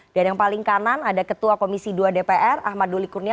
dan yang paling kanan ada ketua komisi dua dpr ahmad doli kurnia